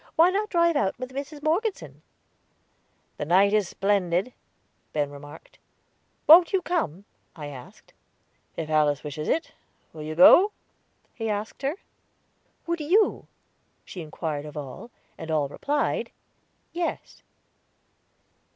"Why not drive out with Mrs. Morgeson?" "The night is splendid," Ben remarked. "Wont you come?" I asked. "If Alice wishes it. Will you go?" he asked her. "Would you?" she inquired of all, and all replied, "Yes."